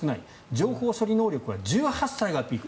情報処理能力は１８歳がピーク。